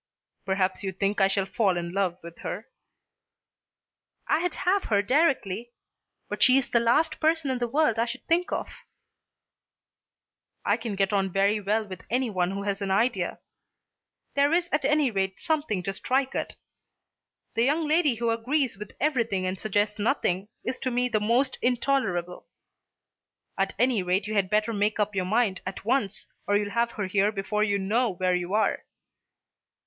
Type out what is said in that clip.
"Perhaps you think I shall fall in love with her." "I'd have her directly. But she is the last person in the world I should think of." "I can get on very well with anyone who has an idea. There is at any rate something to strike at. The young lady who agrees with everything and suggests nothing, is to me the most intolerable. At any rate you had better make up your mind at once or you'll have her here before you know where you are."